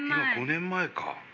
５年前か。